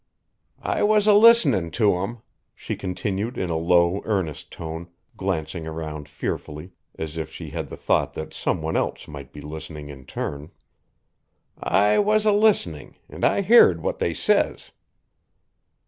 "I was a listening to 'em," she continued in a low, earnest tone, glancing around fearfully as if she had the thought that some one else might be listening in turn. "I was a listening, an' I heerd what they says."